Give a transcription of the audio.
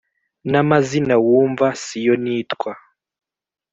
n’amazina wumva siyo nitwa